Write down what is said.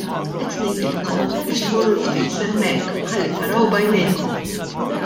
Qed ngħidilkom biex tmorru ftit s'hemmhekk ħalli taraw b'għajnejkom.